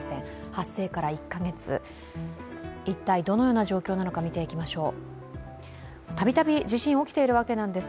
発生から１か月、一体どのような状況なのか、見ていきましょう。